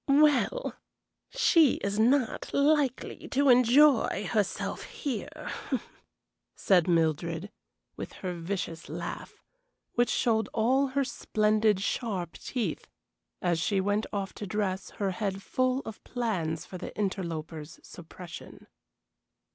"Well, she is not likely to enjoy herself here," said Mildred, with her vicious laugh, which showed all her splendid, sharp teeth, as she went off to dress, her head full of plans for the interloper's suppression.